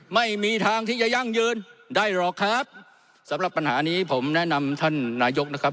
ไม่มีทางที่จะยั่งยืนได้หรอกครับสำหรับปัญหานี้ผมแนะนำท่านนายกนะครับ